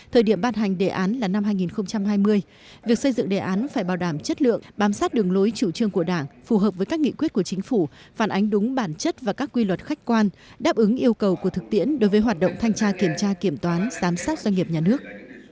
thời điểm ban hành đề án là năm hai nghìn hai mươi việc xây dựng đề án phải bảo đảm chất lượng bám sát đường lối chủ trương của đảng phù hợp với các nghị quyết của chính phủ phản ánh đúng bản chất và các quy luật khách quan đáp ứng yêu cầu của thực tiễn đối với hoạt động thanh tra kiểm tra kiểm toán giám sát doanh nghiệp nhà nước